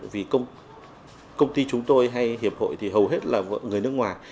vì công ty chúng tôi hay hiệp hội thì hầu hết là người nước ngoài